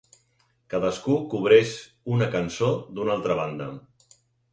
Cadascú cobreix una cançó d'una altra banda.